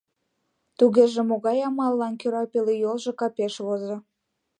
Тугеже могай амаллан кӧра пел йолжо капеш возо?